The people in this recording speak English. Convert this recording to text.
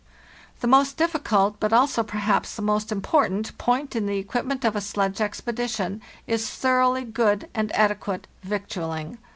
The most difficult, but also, perhaps, the most im portant, point in the equipment of a sledge expedition is thoroughly good and adequate vectualling.